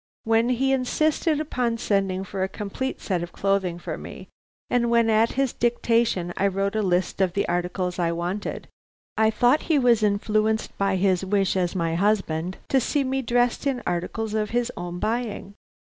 When he insisted upon sending for a complete set of clothing for me, and when at his dictation I wrote a list of the articles I wanted, I thought he was influenced by his wish as my husband to see me dressed in articles of his own buying.